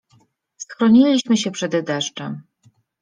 Schroniliśmy się przed deszczem.